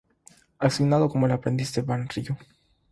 Asignado como el aprendiz de Ban Ryu.